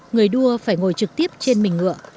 người đua phải ngồi trực tiếp trên mình ngựa